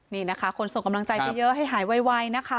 นี่นะคะคนส่งกำลังใจไปเยอะให้หายไวนะคะ